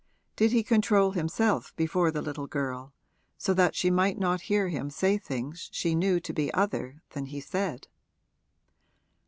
Did he control himself before the little girl so that she might not hear him say things she knew to be other than he said?